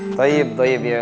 baik baik ya